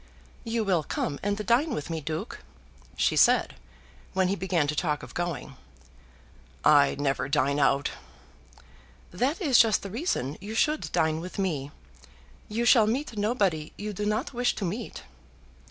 "You will come and dine with me, Duke?" she said, when he began to talk of going. "I never dine out." "That is just the reason you should dine with me. You shall meet nobody you do not wish to meet."